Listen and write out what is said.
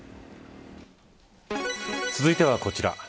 続いてはこちら。